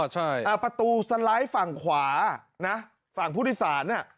ใช่ประตูสไลด์ฝั่งขวาฝั่งผู้ที่สาร